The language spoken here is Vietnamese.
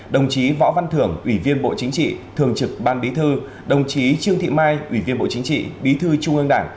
đồng chí võ văn thưởng ủy viên bộ chính trị thường trực ban bí thư đồng chí trương thị mai ủy viên bộ chính trị bí thư trung ương đảng